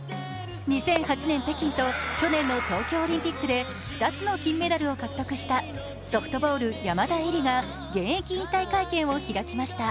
２００８年北京と去年の東京オリンピックで２つの金メダルを獲得したソフトルボール・山田恵里が、現役引退会見を開きました。